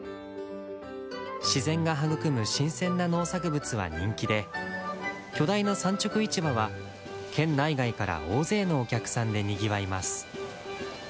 自然が育む新鮮な農作物は人気で巨大な産直市場は県内外から大勢のお客さんでにぎわいます。